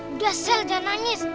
udah sel jangan nangis